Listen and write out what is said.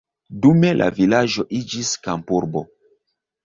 Dume la vilaĝo iĝis kampurbo.